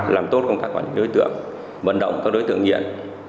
làm tốt công tác quản lý đối tượng vận động các đối tượng nghiện